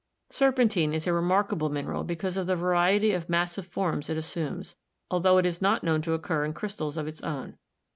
Serpentine is a remarkable mineral because of the variety of massive forms it assumes, altho it is not known to occur in crystals of its own.